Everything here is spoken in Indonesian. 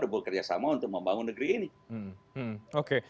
bekerjasama untuk membangun negeri ini